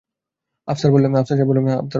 আফসার সাহেব বললেন, হ্যাঁ, হয়েছে।